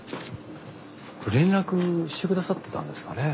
連絡してくださったんですかね？